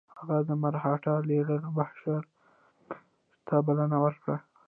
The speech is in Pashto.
هغه د مرهټه لیډر بهاشکر ته بلنه ورکړه.